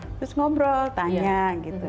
terus ngobrol tanya gitu